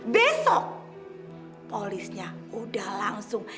besok polisnya udah langsung